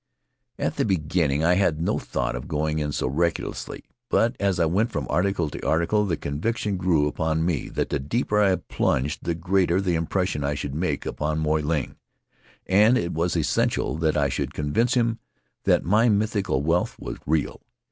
At the beginning I had no thought of going in so recklessly. But as I went from article to article the conviction grew upon me that the deeper I plunged the greater the impression I should make upon Moy Ling, and it was essential that I should convince him that my mythical wealth was real.